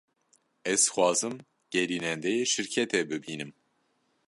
Ez dixwazim gerînendeyê şirketê bibînim.